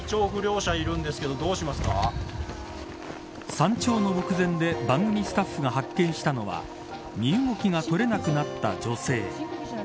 山頂の目前で番組スタッフが目撃したのは身動きが取れなくなった女性。